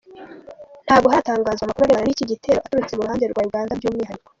Ntabwo haratangazwa amakuru arebana n’iki gitero, aturutse mu ruhande rwa Uganda by’umwihariko.